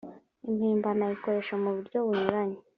impimbano ayikoresha muburyo bunyuranye.